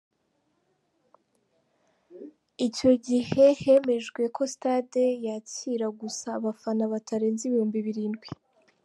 Icyo gihe hemejwe ko Stade yakira gusa abafana batarenze ibihumbi birindwi.